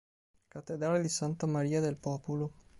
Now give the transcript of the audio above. Cattedrale di Santa Maria del Popolo